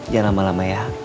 jangan lama lama ya